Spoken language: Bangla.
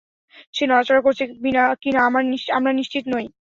সে নড়াচড়া করছে কিনা আমরা নিশ্চিত নই।